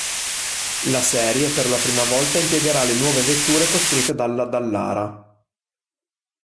La serie per la prima volta impiegherà le nuove vetture costruite dalla Dallara.